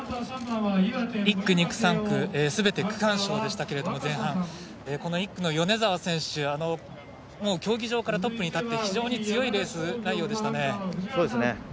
１区、２区、３区すべて区間賞でしたけれども前半、この１区の米澤選手競技場からトップに立って非常に強い内容でしたね。